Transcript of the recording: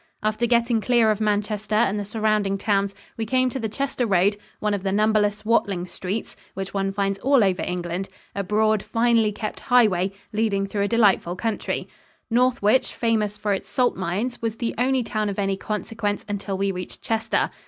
After getting clear of Manchester and the surrounding towns, we came to the Chester road, one of the numberless "Watling Streets," which one finds all over England a broad, finely kept high way, leading through a delightful country. Northwich, famous for its salt mines, was the only town of any consequence until we reached Chester.